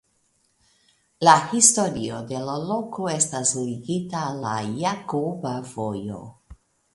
La historio de la loko estas ligita al la Jakoba Vojo.